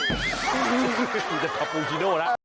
อื้มมมจะทัพปูจีโน่นะ